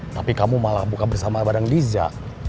tapi kamu malah buka bersama bareng liza